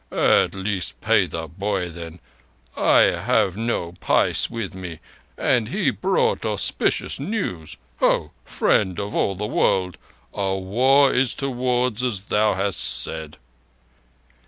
"At least pay the boy, then: I have no pice with me, and he brought auspicious news. Ho! Friend of all the World, a war is toward as thou hast said."